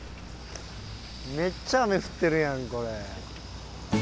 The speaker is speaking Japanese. めっちゃ雨降ってるやんこれ。